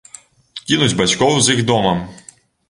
Кінуць бацькоў з іх домам!